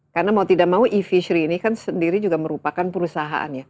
karena mau tidak mau e fishery ini kan sendiri juga merupakan perusahaannya